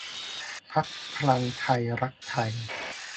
พรรคพลังไทยรักไทย